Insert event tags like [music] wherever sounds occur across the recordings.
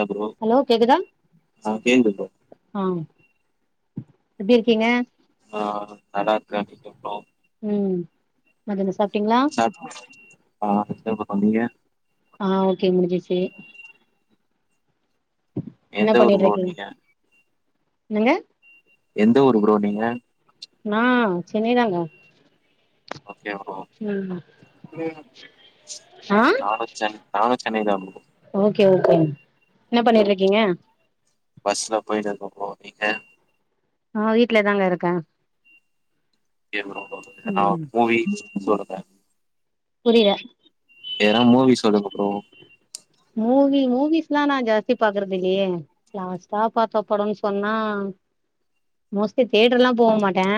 அ bro hello கேக்குதா ஆ கேக்குது ப்ரோ ஆ எப்டி இருக்கீங்க ஆ தடா காண்டிட்டு இருக்கோ ம் மத்தியானோ சாப்டீங்ளா சாப் ஆ என்ன ப்ரோ நீங்க ஆ ஓகே முடிஞ்சிச்சி என்ன எந்த ஊரு பண்ணிட்டு ப்ரோ இருக்கீங்க நீங்க என்னங்க எந்த ஊரு ப்ரோ நீங்க நா சென்னைதாங்க ஓகே ப்ரோ ம் ம் ஆ நானு சென் நானு சென்னைதா ப்ரோ ஓகே ஓகேங் என்ன பண்ணிட்டு இருக்கீங்க பஸ்ல போயிட்டு இருக்கே ப்ரோ நீங்க நா வீட்ல தாங்க இருக்கே ஒகே ப்ரோ நா வந்து ம் மூவி ரிலீஸ் போயிருந்தே புரில ஏதனா மூவி சொல்லுங்க ப்ரோ மூவி மூவிஸ்லா நா ஜாஸ்தி பாக்குறது இல்லையே லாஸ்டா பாத்த படம்னு சொன்னா மோஸ்ட்லி தியேட்டர்லா போ மாட்டே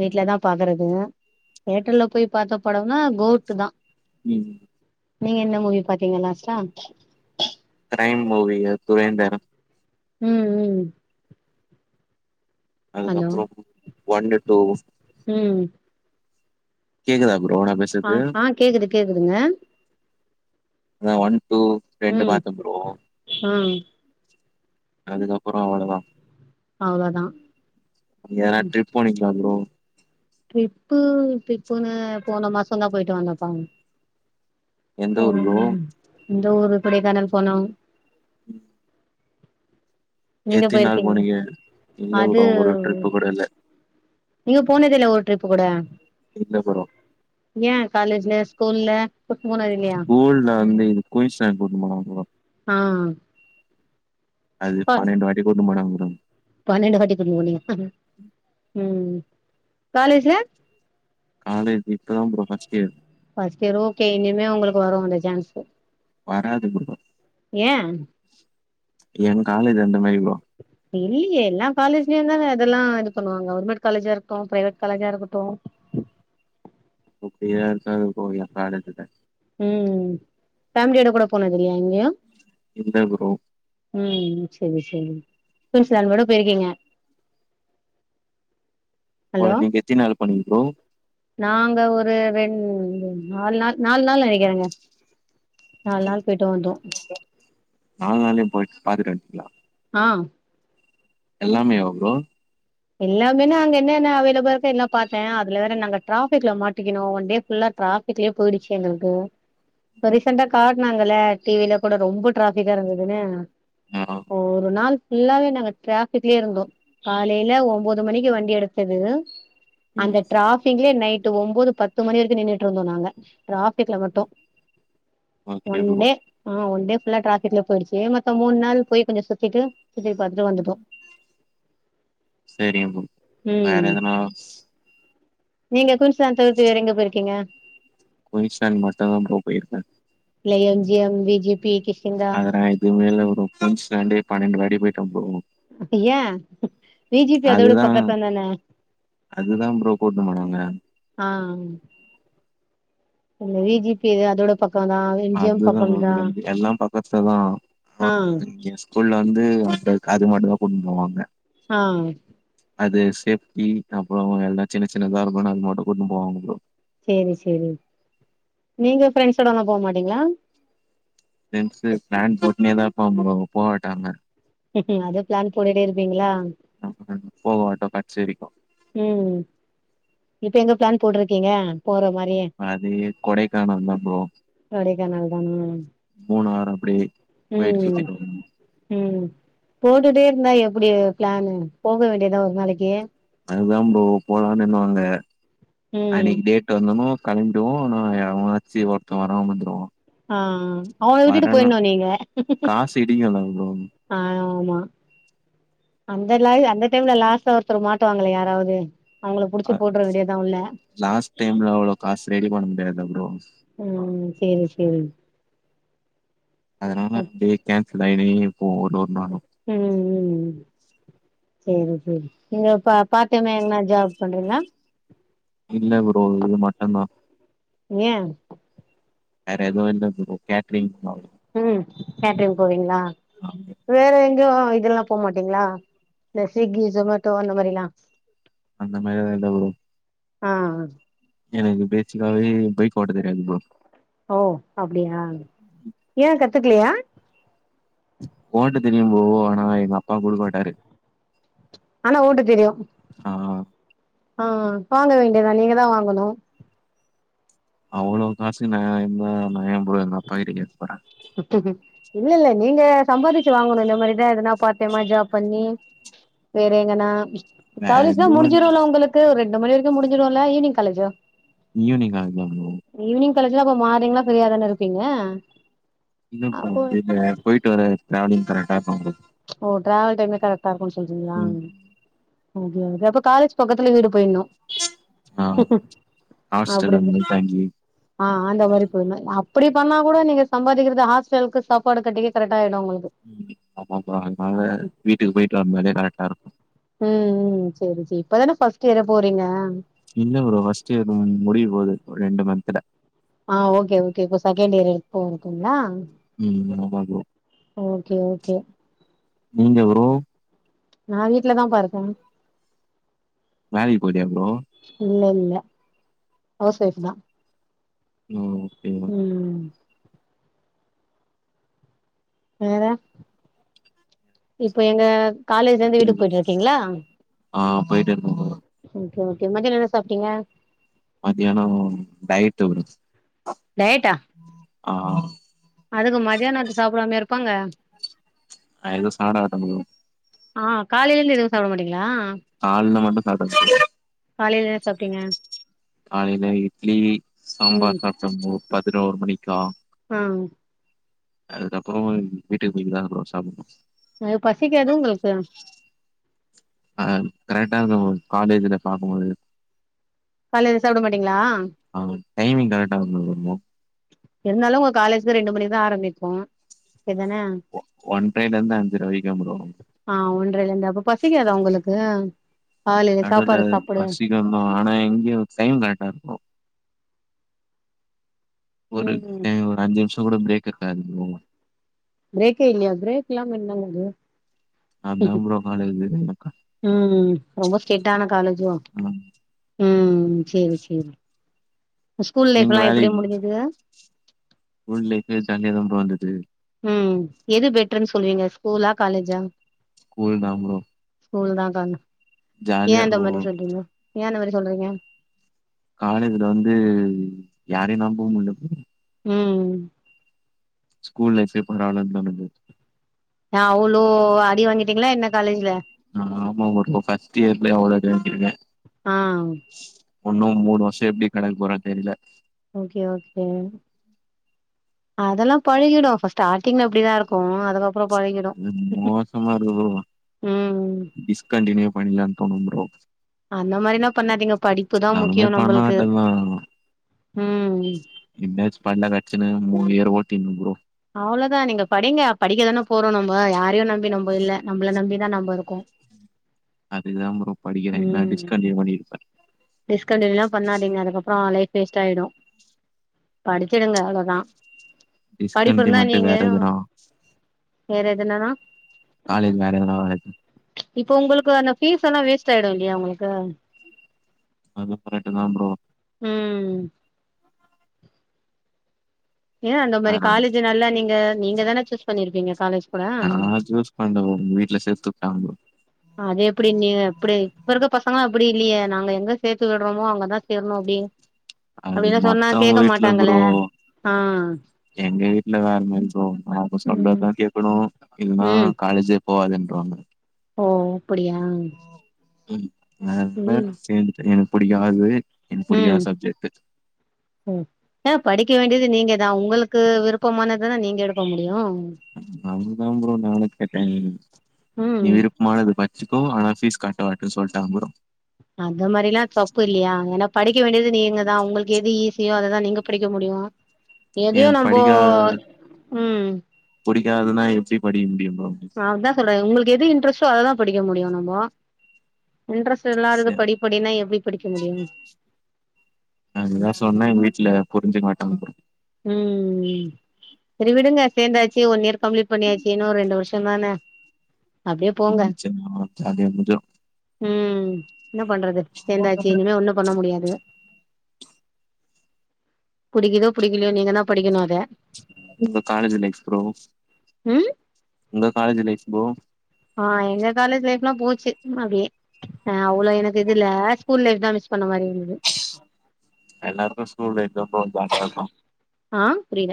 வீட்லதா பாக்குறது தியேட்டர்ல போய் பாத்த படம்னா கோட்டு தா ம்ம் நீங்க என்ன மூவி பாத்தீங்க லாஸ்ட்டா கிரைம் மூவிங்க சுரேந்தரன் ம் ம் ஹலோ அதுக்கப்பறம் ஒன்னு டூ ம் கேக்குதா ப்ரோ நா பேசு ஆ ஆ கேக்குது கேக்குதுங்க அதா ஒன் டூ ரெண்டு ம் பாத்த ப்ரோ ஆ அதுக்கப்பறோ அவளதா அவ்ளோதா எதனா ம் ட்ரிப் போனீங்களா ப்ரோ ட்ரிப்பு ட்ரிப்புனு போன மாசோ தா போயிட்டு வந்தோப்பா எந்த ஊரு ப்ரோ போனோ இந்த ஊரு கொடைக்கானல் போனோ ம் நீங்க போயிருக்கீங்க போனீங்க? இல்ல அது ப்ரோ ஒரு ட்ரிப்பு கூட இல்ல. நீங்க போனத இல்ல ஒரு ட்ரிபு கூட இதுக்குனா போறோ ஏ காலேஜ்ல ஸ்கூல்ல [unintelligible] ஸ்கூல்ல வந்து இது குயின்ஸ் லண்ட் கூட்னு போனாங்கோ ஆ அது ப பன்னெண்டு வாட்டி கூட்டுன்னு போனாங்க ப்ரோ பன்னெண்டு வாட்டி கூட்னு போனிங்க ம் காலேஜ்ல காலேஜ் இப்ப தா bro first year first year okay இனிமே உங்களுக்கு வரு அந்த சான்ஸ்சு வராது ப்ரோ என் காலேஜ் அந்த மாரி ப்ரோ இல்லீயே எல்லா காலேஜ்லயு தான அதெல்லா இது பண்ணுவாங்க கவுர்மெண்ட் காலேஜா இருக்ட்டு பிரைவேட் காலேஜா இருக்கட்டு உப்பி யாருக்காவது போவியா காலேஜ்க்கு ம் ஃபேமிலியோட கூட போனதில்லையா எங்கயு இல்ல ப்ரோ ம் செரி செரி குயின்ஸ் லேண்ட் மட்டு போயிருக்கீங்க ஹலோ போல நீங்க எத்தின் நாள் போனீங்க ப்ரோ நாங்க ஒரு ரெண் நால் நாள் நால் நாள் நெனக்கிறேங்க நால் நாள் போயிட்டு வந்தோ நால் நாள்ள போயிட் பாத்துட்டு வன்டியா ஆ எல்லாமேவா ப்ரோ எல்லாமேனா அங்க என்னன்ன அவேலெபிளா இருக்கோ எல்லா பாத்தே அதுல வேற நாங்க டிராஃபிக்ல மாட்டிக்கிணோ ஒன் டே ஃபுல்லா ட்ரா பிக்லயே போயிடுச்சு எங்களுக்கு இப்ப ரீசெண்டா காட்னாங்கல டிவில கூட ரொம்ப டிராபிக்கா இருந்ததுனு ஆ ஒரு நாள் ஃபுல்லாவே நாங்க டிராஃபிக்லயே இருந்தோ காலேல் ல ஒம்போது மணிக்கு வண்டி எடுத்தது அந்த ம் டிராஃ ஃபிக்லயே நைட்டு ஒம்போது பத்து மணி வரைக்கு நின்னுட்டு இருந்தோ நாங்க டிராஃபிக்ல மட்டு ஓகே ஒன் ப்ரோ. டே ஆ ஒன் டே ஃபுல்லா டிராஃபிக்ல போயிடுச்சு மத்த மூண் நாள் போய் கொஞ்சோ சுத்திட்டு சுத்தி பாத்துட்டு வந்துட்டோ செரிங்க ப்ரோ வேற ம் எதுனா நீங்க குயின்ஸ்லாண் தவிர்து வேற எங்க போயிருக்கீங்க குயின்ஸ்லேண்டு மட்டுதா ப்ரோ போயிருக்கே இல்ல எம்ஜிஎம் விஜிபி கிஷ் அதலா எதுமே இல்ல ப்ரோ குயின்ஸ்லாண்டே பனண்டு வாட்டி போயிட்டே ப்ரோ ஏ வி ஜி பி அத விட அதுதான் பக்கத்ததானே அதுதா ப்ரோ கூட்னு போனாங்க ஆ இல்ல வி ஜி பி இது அதோட பக்கோந்தா அதுதாம் ப்ரோ நன்றி எல்லாம் பக்கத்ததா ஆ [unintelligible] துள்ள வந்து அப்பக் அது மட்டுந்தா கொண்டு போவாங்க ஆ அது சேஃப்டி அப்றோ எல்லா சின்ன சின்னதா இருக்குனு அதுக்கு மட்டு கூட்டுனு போவாங்க ப்ரோ சேரி சேரி நீங்க ஃபிரெண்ட்ஸோடலா போவ மாட்டீங்ளா ஃப்ரெண்ட்ஸ்சு பிளான் போட்னேதா இப்பாங்க ப்ரோ போவ் வட்டாங்க அதுவு பிளான் போட்டுடே இருப்பீங்ளா போவ்மாட்டோ கட்சி வரைக்கு ம் இப்ப எங்க பிளான் போட்ருக்கீங்க அது கொடைக்கானல்தா ப்ரோ கொடைக்கானல் தானா மூனாரு அப்டியே போயிட்டு ம் சுத்திட்டு வர்னு ம் போட்டுடே இருந்தா எப்டி பிளானு போக வேண்டியதா ஒரு நாளைக்கி அதுதாம் ப்ரோ போலான் நின்னுவாங்க ம் அன்னைக்கு டேட் வந்தனு கெளம்பிடுவோ ஆனா எவனாச்சி ஒருத்தே வராம இந்துருவா ஆ அவன விட்டுட்டு போயின்னு நீங்க காசு இடிக்குல்ல ப்ரோ ஆமா அந்த லைவ் அந்த டைம்ல லாஸ்டா ஒருத்தரு மாட்டுவாங்ளே யாராவது அவுங்கள புடிச்சு போட்ற வேண்டியதா உள்ள லாஸ்ட் டைம்ல அவ்ளோ காசு ரெடி பண்ண முடியாதாம் ப்ரோ ம் சேரி சேரிங் அதனால ம் அப்டியே கேன்சல் ஆயிடு நீயே போ டோர் நானு ம் ம் ம் சேரி சேரி நீங்க பா பார்ட் டைமா எங்கனா ஜாப் பண்றீங்ளா இல்ல ப்ரோ இது மட்டுந்தா ஏ வேற எதுவு இல்ல ப்ரோ கேட்ரிங் மால் ம் போவீங்ளா வேற எங் கியு இதெல்லா போமாட்டீங்ளா இந்த ஸ்விக்கி ஜொமேட்டோ அந்த மேரிலா அந்த மேரிதா எதா வுழுவு ஆ எனக்கு பேசிக்காவே பைக் ஓட்ட தெரியாது ப்ரோ ஓ அப்டியா ஏ கத்துக்லியா ஓட்டத் தெரியும் ப்ரோ ஆனா எங்கப்பா குடுக்க மாட்டாரு ஆனா ஓட்டத் தெரியு ஆ ஆ வாங்க வேண்டியதா நீங்கதா வாங்கணு அவ்ளோ காசுகு நா இந்தா நா ஏம் போய் எங்க அப்பாகிட்ட கேக்க போறே இல்ல இல்ல நீங்க சம்பாரிச்சு வாங்கணு இந்த மாரிதா எதனாப் பார்ட் டைமா ஜாப் பண்ணி வேற எங்கனா வேற காலேஜ்தா எதுவு இல்ல முடிஞ்சிருல ஒங்களுக் க்கு ரெண்டு மணி வரைக்கு முடிஞ்சிடுல ஈவினிங் காலேஜூ ஈவினிங் காலேஜ்தா ப்ரோ ஈவினிங் காலேஜ்தா அப்ப மார்னிங்லா ப்ரீயாதானே இருப்பீங்க இல்ல ப்ரோ அப்போ வீட்ல போயிட்டு வர டிராவலிங் கரெக்டாருக்கும் ப்ரோ ஓ டிராவல்டைம்ல கரெக்டா இருக்குன் சொல்றீங்களா ம் அங்யாவது அப்ப காலேஜ் பக்கத்துல வீடு போய்ட்னு ஆ அப்டி ஹாஸ்டலருந்து தங்கி ஆ அந்த மாரி பொண்ணு அப்படி பண்ணா கூட நீங்க சம்பாதிக்கிறது ஹாஸ்டலுக்கு சாப்பாடு கட்டி கரெக்டா ஆயிடு உங்களுக்கு ஆமா பா அதனால வீட்டுக்கு போயிட்டு வந்தாலே கரெக்டாருக்கு ம் ம் செரி செரி இப்பதான ஃபர்ஸ்ட் இயரே போறீங்க இல்ல ப்ரோ ஃபர்ஸ்ட் இயர் முடிய போது ரெண்டு மந்த்ல ஆ ஓகே ஓகே இப்போ செகண்ட் இயர்ரு போயிருக்கீங்களா ம் ஆமா ப்ரோ ஓகே ஓகே நீங்க ப்ரோ நா வீட்லதான்பா இருக்க மாடிக்கு போய்டியா ப்ரோ இல்ல இல்ல ஹவுஸ் வைஃப் தா ஓ ம் வேற இப்ப எங்க காலேஜ்லருந்து வீட்டுக்கு போய்ட்டு இருக்கீங்களா ஆ போயிட்டு இருக்கேன் ப்ரோ. ஓகே ஓகே மத்தியான என்ன சாப்டீங்க மதியான டயட் இருந்ச்சி டயட்டா ஆ அதுக்கு மத்தியான சாப்டாமையா இருப்பாங்க நா எது சொன்னாலு அத நம்புவீங்க ஆ காலைல எதுவு சாப்ட மாட்டீங்ளா காலைல மட்டு சாப்டுவ காலைல என்ன சாப்டீங்க காலைல இட்லி ம் சாம்பார் சாப்ட்ட ப்ரோ பதினொரு மணிக்கா ம் அதுக்கப்பறோ வீட்டுக்கு போய்ட்டு தா ப்ரோ சாப்டணு அது பசிக்காது உங்களுக்கு அ கரெக்டாருக்கு ப்ரோ காலேஜ்ல சாப்டு போது காலைல சாப்ட மாட்டீங்களா ஆ டைமிங் கரெக்டாருக்கு ப்ரோ இருந்தாலு உங்க காலேஜ் ரெண்டு மணிக்குதா ஆரம்பிக்கு ஓகே தான ஒன்ரைலருந்து அஞ்சர வரைக்கு ப்ரோ ஆ ஒன்ரைலருந்து அப்ப பசிக்காதா உங்களுக்கு காலைல சாப்பாடு சாப்ட நம்ம ஆனா இங்க சைன் மேட்டாருக்கு ஒரு ம் ஒரு அஞ்சு நிமிஷ கூட பிரேக் இருக்காது பிரேக்கே இல்லையா பிரேக் இல்லாம என்னங்க இது அப்தா ப்ரோ காலைலருந்து வெயிலக்கா ம் ரொம்ப ஸ்ட்ரிட் ஆன காலேஜோ கஷ்டோ ம் செரி செரி ஸ்கூல் நீங்க லைஃப்ல்லா எப்டி வேலைக்கு முடிஞ்சுது ஸ்கூல் லைஃப்பே ஜாலியா தான் பா வந்துது ம் எது பெட்டெர்ன் சொல்லுவீங்க ஸ்கூலா காலேஜா ஸ்கூல் தா ப்ரோ ஸ்கூல் தான் கார்ண ஜாலியா ஏன் அந்த மாரி இருக்கு சொல்றீங்க ஏன் அந்த மாரி சொல்றீங்க காலேஜுல வந்து யாரையு நம்ப முடியல ம் ம் ஸ்கூல் லைபே கொண்டாடலானு தோணுது ஏ அவ்ளோ அடி வாங்கிட்டீங்களா என்ன காலேஜ்ல ஆமா ஓரளவு ஃபர்ஸ்ட் இயர்லயே அவ்ளோ அடி வாங்கிருக்கே ஆம் ஒன்னு மூணு வர்ஷோ எப்டி கடக்க போறேன் தெர்ல ஓகே ஓகே அதல்லா பழகிடு ஃபஸ்ட்டு ஸ்டார்டிங்களா அப்டிதா இருக்கு அதுக்கு அப் ப்றோ பழகிடு மோசமா இருக்கு ப்ரோ ம் டிஸ்கண்டினியூ பண்ணிடலான் தோணும் ப்ரோ அந்த மாரிலா பண்ணாதீங்க படிப்புதா அந்த முக்கியோ மாரி பண்ண நம்பளுக்கு வேண்டியதா ம் எப்டியாச்சு பல்ல கட்சுன்னு மூணு இயர ஓட்டின்னு ப்ரோ அவ்ளோதா நீங்க படிங்க படிக்க தான போறோ நம்ப யாரையு நம் நம்பி நம்ம இல்ல நம்பள நம்பிதா நம்ம இருக்கோ அதுக்கு தா ப்ரோ படிக்கிறே இல்லாட்டி ம் டிஸ்கன்டினியூ பண்ணி இருப்பே டிஸ்கண்டினியூலா பண்ணாதீங்க அதுக்கப்பறோ லைப் வேஸ்ட் ஆயிடு படிச்சிடுங்க அவ்ளோதா படிப்பு டிஸ்கண்டினியூ இருந்தா பண்ட்டு நீங்க வேற எதுனா வேற எதுனன்னா காலேஜு வேற எதுனா வேலக்கி இப்ப உங்களுக்கு அந்த ஃபீஸெல்லா வேஸ்ட் ஆயிடு இல்லையா உங்களுக்கு அது கரெக்ட்டுதா ப்ரோ ம் ஏன்ன அந்த மாரி காலேஜு நல்லா நீங்க நீங்க தானே சூஸ் பண்ணியிருப்பீங்க காலேஜ் கூட சண்ட வரு வீட்ல சேத்துவுட்டாங்க ப்ரோ அதே எப்புடி நீங்க எப்புடி இப்ப இருக்க பசங்க அப்புடி இல்லையே நாங்க எங்க சேத்து விட்றோமோ அங்கதா சேரணு அப்டின் அது மத்தவுங்க வீட்ல ப்ரோ ஆ எங்க வீட்ல வேற மாரி ப்ரோ அவுங்க ம் சொல்றதுதா கேக்கணு இல்லனா ம் காலேஜு போவாதன்றுவாங்க ஓ அப்புடியா ம் நல்ல சேந்துட்டு எனக்கு புடிக்கு அது எனக்கு புடிக்கு ம் அந்த சப்ஜெக்ட் ம் ஏ படிக்க வேண்டியது நீங்கதா உங்களுக்கு விருப்பமானதுதா நீங்க எடுக்க முடியும் அதுதா ஃப்ரோ நானு கேட்ட நீ ம் விருப் பமானது படுச்சுக்கோ ஆனா ஃபீஸ் கட்ட மாட்டன்னு சொல்லிட்டாங்க ப்ரோ அந்த மாரில்லா தப்பு இல்லையா ஏன்னா படிக்க வேண்டியது நீங்க தா உங்களுக்கு எது ஈஸியோ அததா நீங்கப் படிக்க முடியு எதையு எனக்கு நம்போ படிக்காத ம் புடிக்காதுன்னா எப்டி படிக்க முடியும் ப்ரோ அததா சொல்றேங்க உங்களுக்கு எது இன்ட்ரெஸ்டோ அததா படிக்க முடியு நம்போ இன்ட்ரெஸ்ட் இல்லாதத சே படி படின்னா எப்டி படிக்க முடியும் அதுதா சொன்னா எங்க வீட்ல புரிஞ்சுக்க மாட்டாங்க ப்ரோ ம் ஹூம் செரி விடுங்க சேந்தாச்சு ஒன் இயர் கம்ப்ளீட் பண்ணியாச்சு இன்னு ஒரு ரெண்டு வருஷோந்தான அப்டியே போங்க புரிஞ்சுச்சுன்னா ஜாலியா ம் என்ன பண்றது சேந்தாச்சு முடிஞ்சிரு இனிமே ஒண்ணும் பண்ண முடியாது புடிக்கிதோ புடிக்கலையோ நீங்கதா படிக்கணு அத உங்க காலேஜ் லைஃப் ப்ரோ ம் உங்க காலேஜ் லைஃப் ப்ரோ ஆ எங்க காலேஜ் லைஃப் எல்லா போச்சு அப்டியே ஆ அவ்ளோ எனக்கு இது இல்ல ஸ்கூல் லைஃப் தா மிஸ் பண்ண மாரி இருந்துது எல்லாருக்கு ஸ்கூல் லைஃப் தா இப்பவு ஜாஸ்தியா இருக்கு ஆ புரில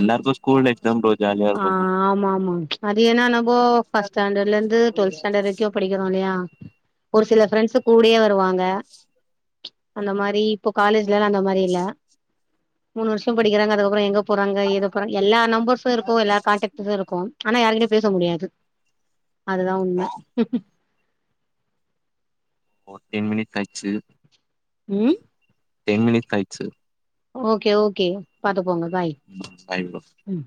எல்லார்க்கு ஸ்கூல் லைஃப் தா ப்ரோ ஜாலியா ஆ இருக்கு ஆமா ஆமா அது என்னனா போ ஃபஸ்டாண்டர்ல இருந்து டுவெல்த் ஸ்டாண்டர்ட் படிக்கிறோ இல்லையா ஒரு சில ஃப்ரெண்ட்ஸ் கூடே வருவாங்க அந்த மாரி இப்போ காலேஜ்லா அந்த மாரி இல்ல மூணு வருஷோ படிக்கிறாங்க அதுக்கப்புறோ எங்க போறாங்க ஏது போறாங்க எல்லா நம்பர்சு இருக்கு எல்லா காண்டக்ட்டுது இருக்கும் ஆனா யார்கிட்டயு பேச முடியாது அதுதா உண்ம ப்ரோ ஓ டென் மினிட்ஸ் கயிச்சு ம் டென் மினிட்ஸ் ஆய்ச்சு ஓகே ஓகே பாத்துக்கோங்க பாய் ம் பாய் ப்ரோ ம்